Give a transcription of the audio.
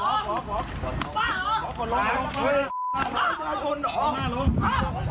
หลังที่กันแรงเถ้าขั้นจากโลนโต้เออ